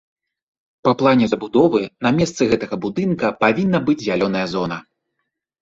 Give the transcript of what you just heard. Па плане забудовы на месцы гэтага будынка павінна быць зялёная зона.